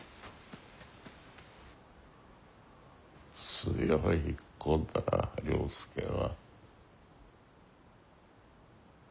強い子だ了助は。